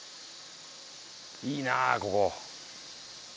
いいなここ。